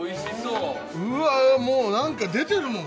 うわ、もうなんか出てるもん